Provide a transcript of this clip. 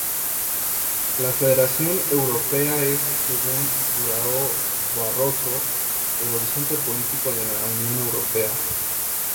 La federación europea es, según Durão Barroso, el horizonte político de la Unión Europea.